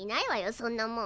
そんなもん。